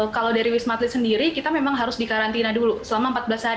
kalau dari wisma atlet sendiri kita memang harus dikarantina dulu selama empat belas hari